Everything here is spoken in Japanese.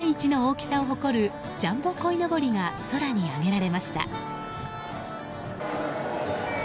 埼玉県加須市で今日世界一の大きさを誇るジャンボこいのぼりが空に揚げられました。